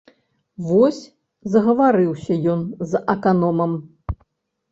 Вось згаварыўся ён з аканомам.